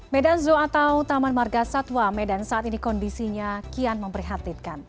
medan zoo atau taman marga satwa medan saat ini kondisinya kian memprihatinkan